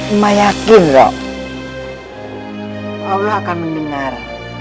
emang yakin dong allah akan mendengar